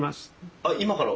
あっ今から？